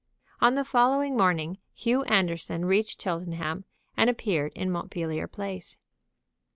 On the following morning Hugh Anderson reached Cheltenham and appeared in Montpellier Place.